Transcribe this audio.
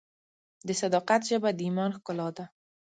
د صداقت ژبه د ایمان ښکلا ده.